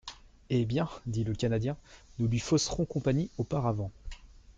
—Eh bien, dit le Canadien, nous lui fausserons compagnie auparavant.